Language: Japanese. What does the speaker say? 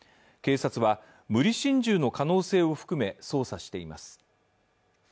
警察は無理心中の可能性を含め捜査しています。